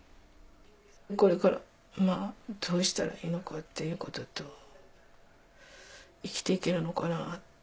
これからどうしたらいいのかっていうことと生きて行けるのかなって。